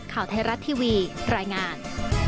ข่าวไทยรัฐทีวีรายงาน